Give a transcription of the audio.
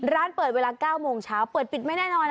ร้านเปิดเวลา๙โมงเช้าเปิดปิดไม่แน่นอน